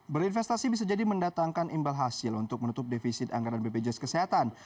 berinvestasi bisa jadi mendatangkan imbal hasil untuk menutup defisit anggaran bpjs kesehatan